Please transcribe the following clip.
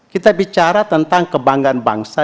kita bicara tentang kebanggaan bangsa